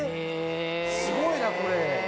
すごいなこれ。